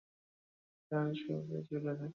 যা তাদের শরীর থেকে ঝুলে থাকে।